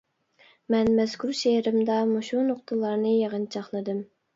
مەن مەزكۇر شېئىرىمدا مۇشۇ نۇقتىلارنى يىغىنچاقلىدىم.